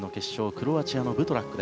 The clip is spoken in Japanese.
クロアチアのマテア・ブトラック。